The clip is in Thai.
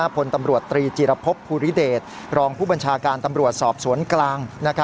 พลตำรวจตรีจีรพบภูริเดชรองผู้บัญชาการตำรวจสอบสวนกลาง